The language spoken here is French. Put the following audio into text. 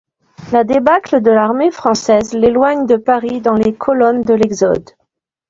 La débâcle de l'armée française l'éloigne de Paris dans les colonnes de l'exode.